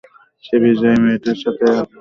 সে বিজয়ী মেয়েটার সাথে হাত মেলালো।